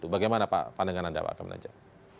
bagaimana pandangan anda pak kemenajak